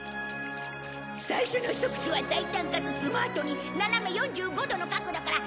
最初のひと口は大胆かつスマートに斜め４５度の角度から